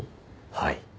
はい。